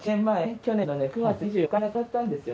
去年のね９月２４日に亡くなったんですよ。